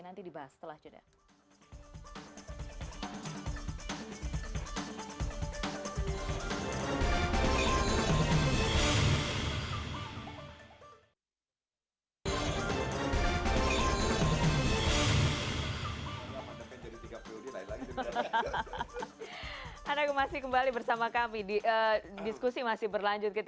nanti dibahas setelah juda